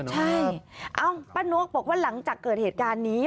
ใช่ป้านกบอกว่าหลังจากเกิดเหตุการณ์นี้